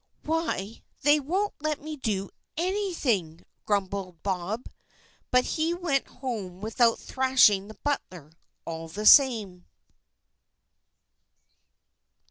"Why, they won't let me do anything!" grumbled Bob; but he went home without thrashing the butler, all the same.